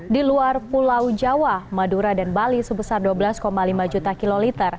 di luar pulau jawa madura dan bali sebesar dua belas lima juta kiloliter